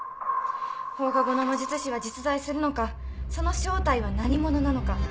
放課後の魔術師は実在するのかその正体は何者なのか。